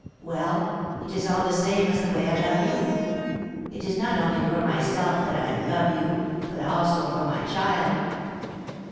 Well, it is all the same as the way I love you; it is not only for myself that I love you, but also for my child."